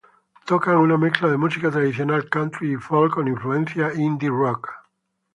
Ellos tocan una mezcla de música tradicional country y folk con influencias indie rock.